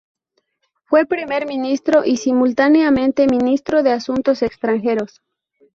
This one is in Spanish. Fue primer ministro y simultáneamente ministro de Asuntos Extranjeros.